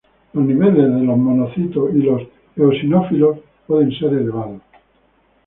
Los niveles de los monocitos y los eosinófilos pueden ser elevados.